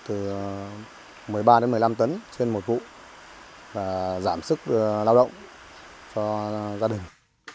một mươi ba một mươi năm tấn trên một vụ giảm sức lao động cho gia đình